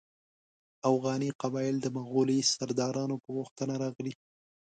اوغاني قبایل د مغولي سردارانو په غوښتنه راغلي.